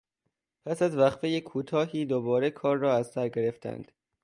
پس از وقفهی کوتاهی دوباره کار را از سر گرفتند.